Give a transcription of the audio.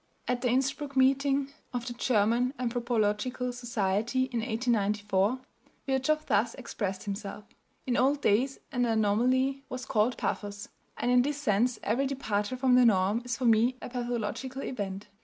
At the Innsbruck meeting of the German Anthropological Society, in 1894, Virchow thus expressed himself: "In old days an anomaly was called pathos, and in this sense every departure from the norm is for me a pathological event.